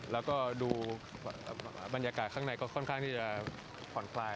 แล้วก็ดูบรรยากาศข้างในก็ค่อนข้างที่จะผ่อนคลาย